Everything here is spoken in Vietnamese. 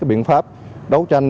biện pháp đấu tranh